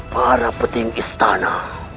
para petinggi istana